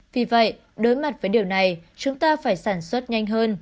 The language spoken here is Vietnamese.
vì vậy đối mặt với điều này chúng ta phải sản xuất nhanh hơn